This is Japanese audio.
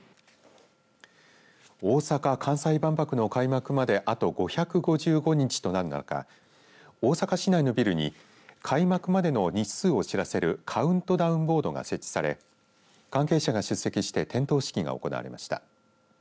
大阪・関西万博の開幕まであと５５５日となる中大阪市内のビルに開幕までの日数を知らせるカウントダウンボードが設置され関係者が出席して点灯式が行われました。